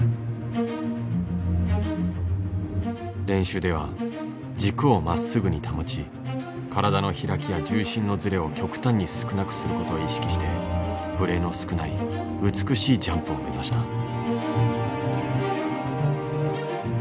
練習では軸をまっすぐに保ち体の開きや重心のずれを極端に少なくすることを意識してブレの少ない美しいジャンプを目指した。